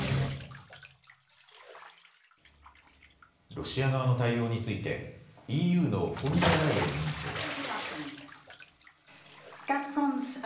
ロシア側の対応についてＥＵのフォンデアライエン委員長は。